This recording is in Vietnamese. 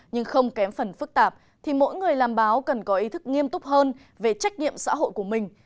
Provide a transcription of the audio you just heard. nhưng không kém phần phức tạp thì mỗi người làm báo cần có ý thức nghiêm túc hơn về trách nhiệm xã hội của mình